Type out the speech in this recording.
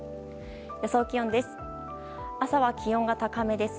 予想気温です。